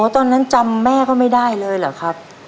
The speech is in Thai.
ตอนนั้นจำแม่ก็ไม่ได้เลยเหรอครับ